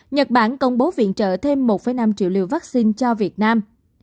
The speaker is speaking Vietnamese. nhật bản công bố viện trợ thêm một năm triệu liều vaccine cho việt nam